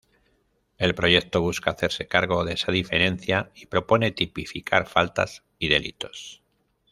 El proyecto busca hacerse cargo de esa diferencia y propone tipificar faltas y delitos.